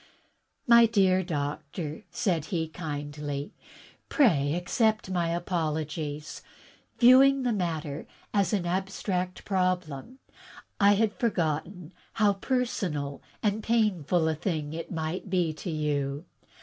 "My dear doctor," said he kindly, "pray accept my apologies. Viewing the matter as an abstract problem, I had forgotten how personal and painful a thing it might be to you.